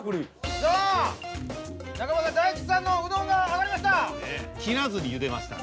さあ中村さん大吉さんのうどんが上がりました。